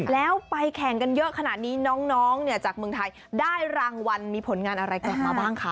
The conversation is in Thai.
แล้วไปแข่งกันเยอะขนาดนี้น้องเนี่ยจากเมืองไทยได้รางวัลมีผลงานอะไรกลับมาบ้างคะ